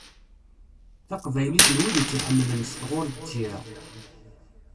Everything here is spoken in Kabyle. Taqbaylit n wid i tt-ḥemmlen s tɣuri d tira.